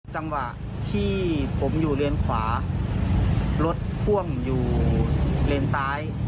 จังหวะที่ผมอยู่เลนขวารถพ่วงอยู่เลนซ้าย